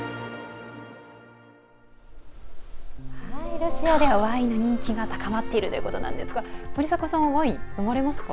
ロシアではワインの人気が高まっているということなんですが森迫さん、ワイン飲まれますか？